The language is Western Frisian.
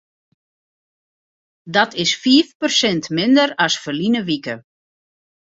Dat is fiif persint minder as ferline wike.